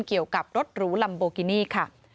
เกี่ยวกับรถหรูลัมโบกินี่ค่ะ